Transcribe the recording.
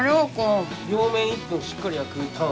両面１分しっかり焼くタン